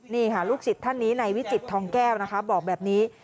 นี่ค่ะลูกศิษย์ท่านนี้ในวิจิตทองแก้วนะคะบอกแบบนี้